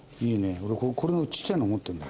俺これのちっちゃいの持ってるんだよ。